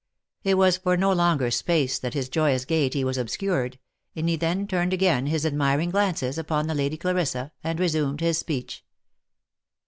It was for no longer space that his joyous gaiety was obscured, and he then turned again his admiring glances upon the Lady Clarissa, and resumed his speech.